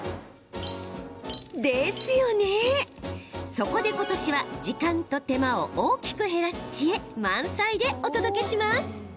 そこで、ことしは時間と手間を大きく減らす知恵満載でお届けします。